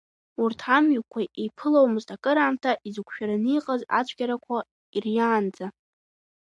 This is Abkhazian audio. Урҭ амҩақәа еиԥыломызт акыраамҭа, изықәшәараны иҟаз ацәгьарақәа ирниаанӡа.